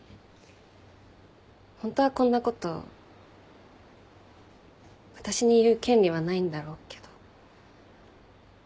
ホントはこんなこと私に言う権利はないんだろうけど。